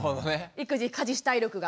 育児家事主体力が。